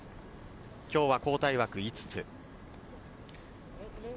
今日は交代枠５つ。